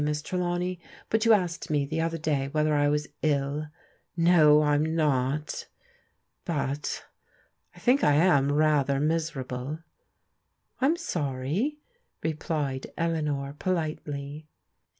Miss Trelawney, but you asked me the other day whether I was ill. No, I am not ... but ... I think I am rather miserable.'* " I am sorry," replied Eleanor politely.